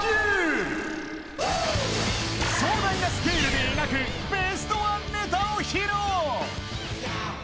壮大なスケールで描くベストワンネタを披露！